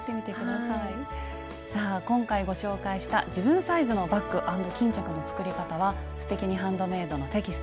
さあ今回ご紹介した「自分サイズのバッグ＆巾着」の作り方は「すてきにハンドメイド」のテキスト